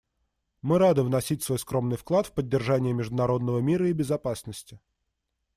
Мы рады вносить свой скромный вклад в поддержание международного мира и безопасности.